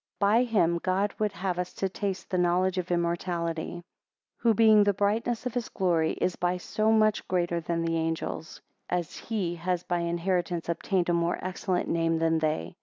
18 By him would God have us to taste the knowledge of immortality: who being the brightness of his glory, is by so much greater than the angels, as he has by inheritance obtained a more excellent name than they.